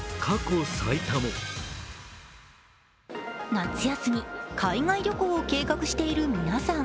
夏休み、海外旅行を計画している皆さん。